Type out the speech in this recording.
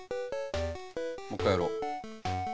もう一回やろう。